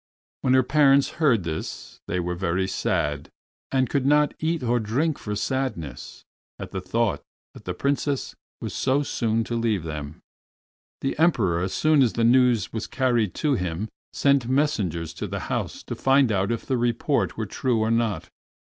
When her attendants heard this they were very sad, and could not eat or drink for sadness at the thought that the Princess was so soon to leave them. The Emperor, as soon as the news was carried to him, sent messengers to the house to find out if the report were true or not.